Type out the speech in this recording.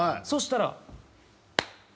そしたら。